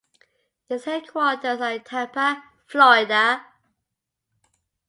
Its headquarters are in Tampa, Florida.